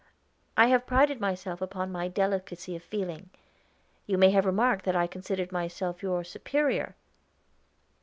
"I have prided myself upon my delicacy of feeling. You may have remarked that I considered myself your superior?"